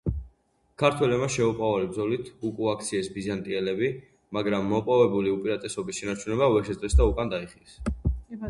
ქართველებმა შეუპოვარი ბრძოლით უკუაქციეს ბიზანტიელები, მაგრამ მოპოვებული უპირატესობის შენარჩუნება ვერ შეძლეს და უკან დაიხიეს.